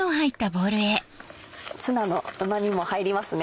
ツナのうま味も入りますね。